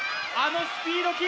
あのスピード